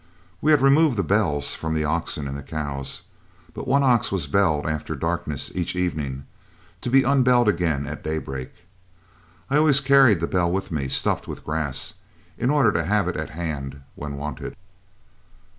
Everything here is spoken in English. We had removed the bells from the oxen and cows, but one ox was belled after darkness each evening, to be unbelled again at daybreak. I always carried the bell with me, stuffed with grass, in order to have it at hand when wanted.